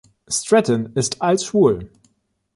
Stratton ist als schwul.